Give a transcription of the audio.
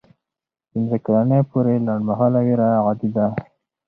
پنځه کلنۍ پورې لنډمهاله ویره عادي ده.